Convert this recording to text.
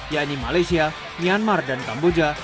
yakni malaysia myanmar dan kamboja